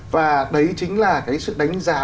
và đấy chính là cái sự đánh giá